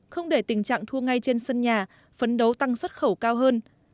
không để tình trạng thua ngay trên sân nhà phấn đấu tăng xuất khẩu cao hơn